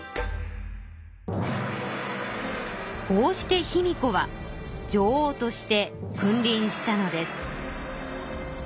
こうして卑弥呼は女王として君りんしたのです。